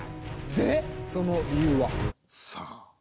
でその理由は？さあ？